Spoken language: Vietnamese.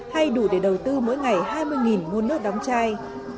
hay đủ để đầu tư mỗi ngày hai mươi muôn nước đóng chai